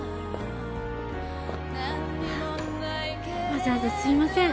・わざわざすいません。